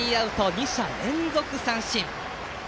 ２者連続三振。